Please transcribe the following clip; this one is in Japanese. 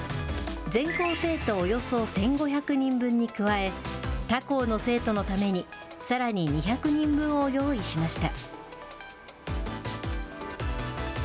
全校生徒およそ１５００人分に加え、他校の生徒のために、さらに２００人分を用意しました。